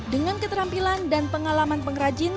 dengan keterampilan dan pengalaman pengrajin